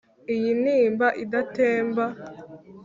iyi ntimba idatemba